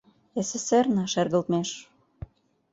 СССР-на шергылтмеш